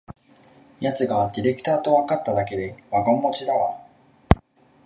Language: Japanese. やつがディレクターとわかっただけでワゴン待ちだわ